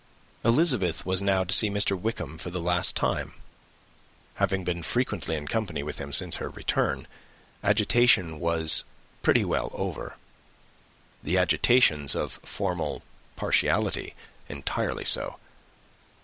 Elizabeth was now to see Mr. Wickham for the last time. Having been frequently in company with him since her return, agitation was pretty well over; the agitations of former partiality entirely so.